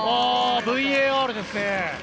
ＶＡＲですね。